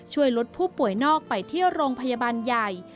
ช่วยลดผู้ป่วยนอกไปที่โรงพยาบาลใหญ่